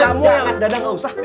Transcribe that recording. jangan dadah nggak usah